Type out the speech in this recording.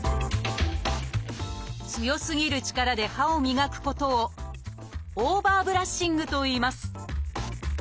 強すぎる力で歯を磨くことを「オーバーブラッシング」といいます。